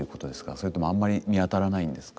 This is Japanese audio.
それともあんまり見当たらないんですか？